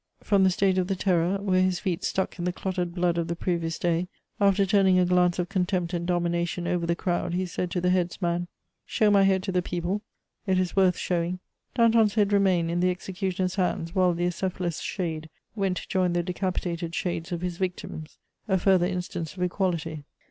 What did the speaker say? From the stage of the Terror, where his feet stuck in the clotted blood of the previous day, after turning a glance of contempt and domination over the crowd, he said to the headsman: "Show my head to the people; it is worth showing." Danton's head remained in the executioner's hands, while the acephalous shade went to join the decapitated shades of his victims: a further instance of equality.